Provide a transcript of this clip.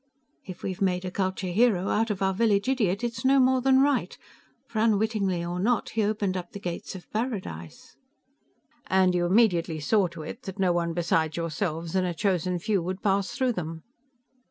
If we've made a culture hero out of our village idiot, it's no more than right, for unwittingly or not, he opened up the gates of paradise." "And you immediately saw to it that no one besides yourselves and a chosen few would pass through them."